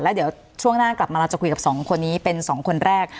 แล้วเดี๋ยวช่วงหน้ากลับมาเราจะคุยกับสองคนนี้เป็น๒คนแรก